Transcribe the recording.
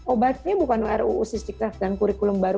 obatnya bukan uruu sistiktaf dan kurikulum baru